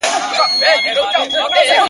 o دغه د کرکي او نفرت کليمه ـ